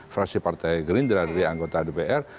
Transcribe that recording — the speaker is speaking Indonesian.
fraksi partai green jeladari anggota dpr